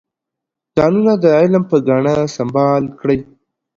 ځانونه د علم په ګاڼه سنبال کړئ.